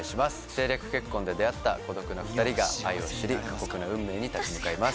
政略結婚で出会った孤独な２人が愛を知り過酷な運命に立ち向かいます。